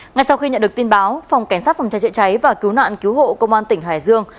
ngay sau khi nhận được tin báo phòng cảnh sát phòng cháy chữa cháy và cứu nạn cứu hộ công an tỉnh hải dương